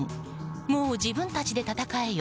もう自分たちで戦えよ！